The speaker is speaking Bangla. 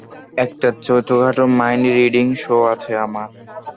একটা ছোটখাটো মাইন্ড রিডিং শো আছে আমার।